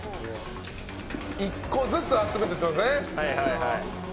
１個ずつ集めていっていますね。